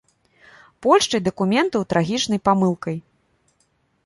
Польшчай дакументаў трагічнай памылкай.